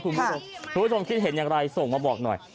คุณผู้ชมคิดเห็นอย่างไรส่งมาบอกหน่อย